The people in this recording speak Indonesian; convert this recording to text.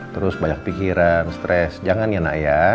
terus banyak pikiran stres jangan ya nak ya